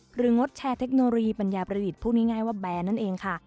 งดแชร์เทคโนโลยีปัญญาประดิษฐ์พูดง่ายว่าแบร์นั่นเองค่ะ